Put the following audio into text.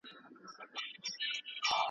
تاریخ په ایډیالوژیکو بڼو مه لولئ.